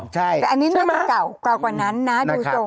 แต่อันนี้นี่มันเก่ากว่านั้นนะดูตรง